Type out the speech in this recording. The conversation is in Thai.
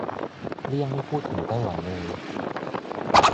เลี่ยงไม่พูดถึงไต้หวันเลย